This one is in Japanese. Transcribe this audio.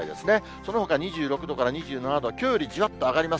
そのほか２６度から２７度、きょうよりじわっと上がります。